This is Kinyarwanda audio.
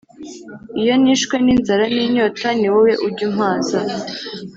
Iyo nishwe ninzara ninyota niwowe ujya umpaza